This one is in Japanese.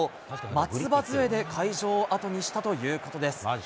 松葉づえで会場を後にしたということです。